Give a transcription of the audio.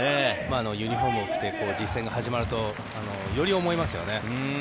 ユニホームを着て実戦が始まるとより思いますよね。